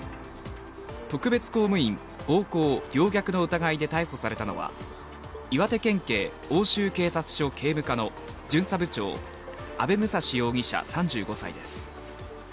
特別公務員暴行陵虐の疑いで逮捕されたのは、岩手県警奥州警察署警務課の巡査部長、阿部武蔵容疑者３５歳です。